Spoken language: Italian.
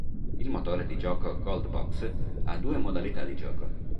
Il motore di gioco "Gold Box" ha due modalità di gioco.